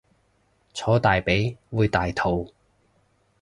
坐大髀會大肚